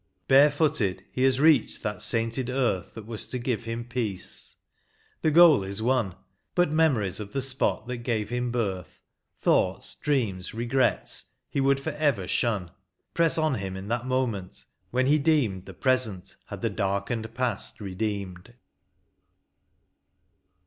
Barefooted he hath reached that sainted earth That was to give him peace, — the goal is won ; But memories of the spot that gave him birth, Thoughts, dreams, regrets, he would forever shun. Press on him in that moment, when he deemed The present had the darkened past redeemed.